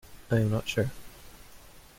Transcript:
I am not sure.